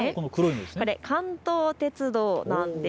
これ、関東鉄道なんです。